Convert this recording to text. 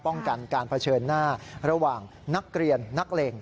ป้องกันการเผชิญหน้าระหว่างนักเรียนนักเลง